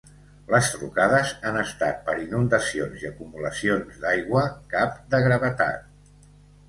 Les trucades han estat per inundacions i acumulacions d’aigua, cap de gravetat.